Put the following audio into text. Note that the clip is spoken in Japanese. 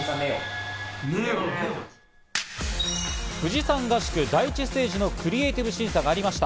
富士山合宿第１ステージのクリエイティブ審査がありました。